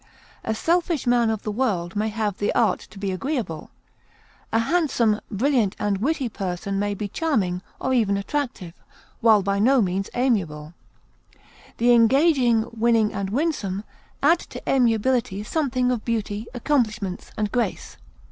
A selfish man of the world may have the art to be agreeable; a handsome, brilliant, and witty person may be charming or even attractive, while by no means amiable. The engaging, winning, and winsome add to amiability something of beauty, accomplishments, and grace.